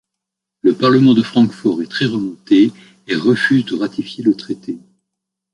Le parlement de Francfort est très remonté et refuse de ratifier le traité.